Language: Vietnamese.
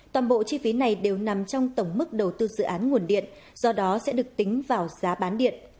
toàn bộ chi phí này đều nằm trong tổng mức đầu tư dự án nguồn điện do đó sẽ được tính vào giá bán điện